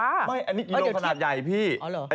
อันนี้กิโลขนาดใหญ่พี่